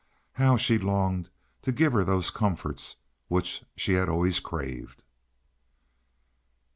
How she longed to give her those comforts which she had always craved!